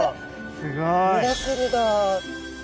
すごい。